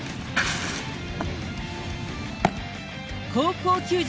高校球児